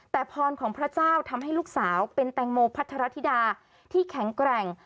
แต่พรของพระเจ้าทำให้ลูกสาวเป็นแตงโมพัทรธิดาที่แข็งแกร่ง